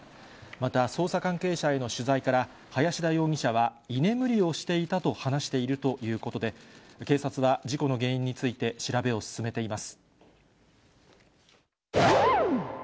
また捜査関係者への取材から、林田容疑者は居眠りをしていたと話しているということで、警察は事故の原因について調べを進めています。